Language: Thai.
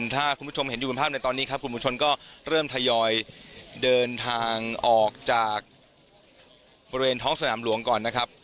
ถ้าคุณผู้ชมเห็นอยู่เป็นภาพในตอนนี้ครับกลุ่มมวลชนก็เริ่มทยอยเดินทางออกจากบริเวณท้องสนามหลวงก่อนนะครับ